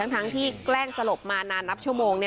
ทั้งที่แกล้งสลบมานานนับชั่วโมง